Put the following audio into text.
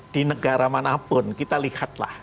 di negara manapun kita lihatlah